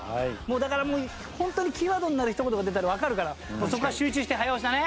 だからホントにキーワードになるひと言が出たらわかるからそこは集中して早押しだね。